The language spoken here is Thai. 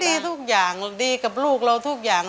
ดีทุกอย่างดีกับลูกเราทุกอย่าง